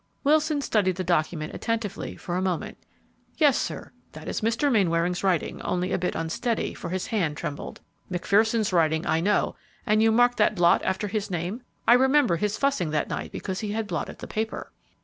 Wilson studied the document attentively for a moment. "Yes, sir, that is Mr. Mainwaring's writing, only a bit unsteady, for his hand trembled. McPherson's writing I know, and you mark that blot after his name? I remember his fussing that night because he had blotted the paper."